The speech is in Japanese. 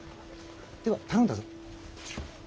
では頼んだぞ。